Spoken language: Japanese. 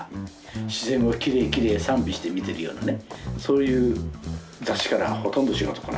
自然をきれいきれい賛美して見てるようなねそういう雑誌からはほとんど仕事来ない。